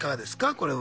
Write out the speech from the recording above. これは。